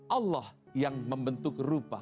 allah yang membuat manusia ingin mencipta